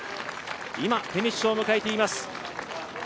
今、フィニッシュを迎えています。